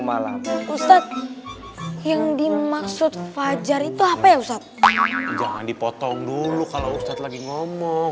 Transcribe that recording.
malam ustadz yang dimaksud fajar itu apa ya ustadz jangan dipotong dulu kalau ustadz lagi ngomong